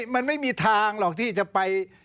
มันไม่มีทางหรอกที่จะไป